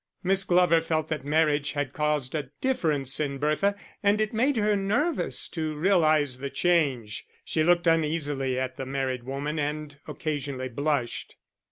Miss Glover felt that marriage had caused a difference in Bertha, and it made her nervous to realise the change. She looked uneasily at the married woman and occasionally blushed.